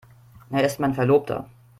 Er ist mein Verlobter.